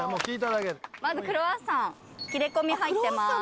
まずクロワッサン切れ込み入ってます。